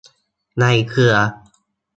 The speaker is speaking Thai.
ในเครือ